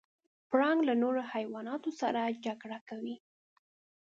پړانګ له نورو حیواناتو سره جګړه کوي.